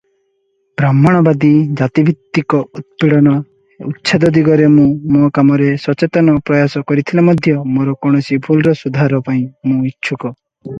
ବ୍ରାହ୍ମଣବାଦୀ ଜାତିଭିତ୍ତିକ ଉତ୍ପୀଡ଼ନ ଉଚ୍ଛେଦ ଦିଗରେ ମୁଁ ମୋ କାମରେ ସଚେତନ ପ୍ରୟାସ କରିଥିଲେ ମଧ୍ୟ ମୋର କୌଣସି ଭୁଲର ସୁଧାର ପାଇଁ ମୁଁ ଇଚ୍ଛୁକ ।